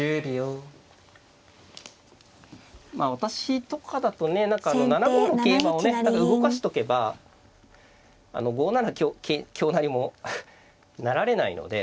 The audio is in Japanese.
まあ私とかだとね何か７五の桂馬をね動かしとけば５七香成も成られないので。